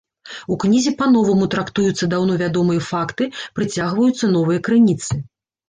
У кнізе па-новаму трактуюцца даўно вядомыя факты, прыцягваюцца новыя крыніцы.